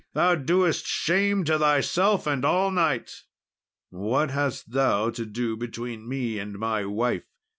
Thou doest shame to thyself and all knights." "What hast thou to do between me and my wife?"